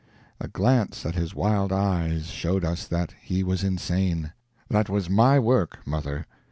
A glance at his wild eyes showed us that he was insane. That was my work, mother!